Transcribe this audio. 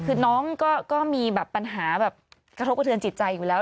คือน้องก็มีแบบปัญหาแบบกระทบกระเทือนจิตใจอยู่แล้ว